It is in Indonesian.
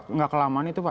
tidak kelamaan itu pak